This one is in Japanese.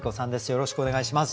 よろしくお願いします。